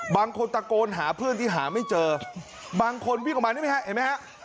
บางคนตะโกนหาเพื่อนที่หาไม่เจอบางคนวิ่งออกมานี่ไหมฮะเห็นไหมฮะ